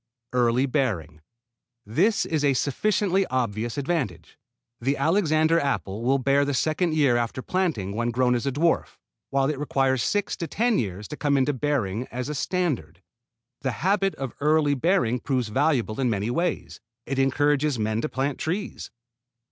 Early bearing. This is a sufficiently obvious advantage. The Alexander apple will bear the second year after planting when grown as a dwarf, while it requires six to ten years to come into bearing as a standard. This habit of early bearing proves valuable in many ways. It encourages men to plant trees.